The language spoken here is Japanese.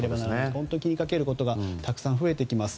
本当に気にかけることがたくさん増えてきます。